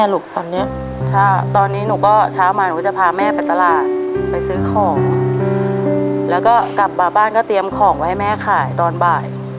แล้วก็กลับมาบ้านก็เตรียมของไว้แม่ขายตอนบ่าย